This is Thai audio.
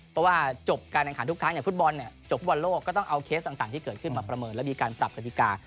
เพราะว่าจบการแข่งขันทุกครั้งอย่างฟุตบอลเนี่ยจบฟุตบอลโลกก็ต้องเอาเคสต่างที่เกิดขึ้นมาประเมินแล้วมีการปรับกฎิกา